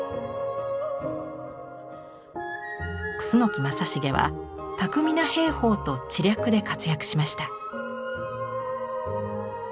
楠木正成は巧みな兵法と知略で活躍しました。